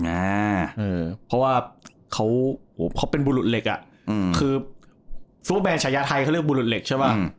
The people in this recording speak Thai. อ่าเพราะว่าเขาเป็นบุรุษเหล็กอ่ะอืมคือซูเปอร์แบนชายาไทยเขาเรียกบุรุษเหล็กใช่ป่ะ